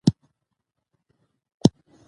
میرغلام محمد غبار به یې سرښندنه وستایي.